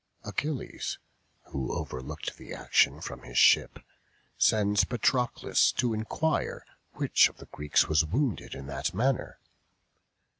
Achilles (who overlooked the action from his ship) sends Patroclus to inquire which of the Greeks was wounded in that manner.